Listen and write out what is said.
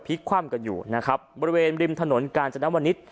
คว่ำกันอยู่นะครับบริเวณริมถนนกาญจนวนิษฐ